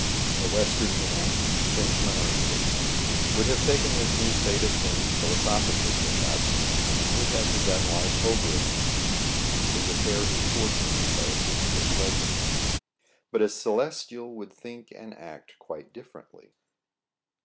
A Western man, Frenchman or Englishman, would have taken this new state of things philo sophically perhaps, and would have begun life over again, seeking to repair his fortunes by assiduous labor ; but a Celestial would think and act quite difFerently.